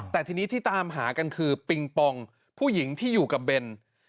แต่ทีนี้ที่ตามหากันคือปิงปองผู้หญิงที่อยู่กับเบน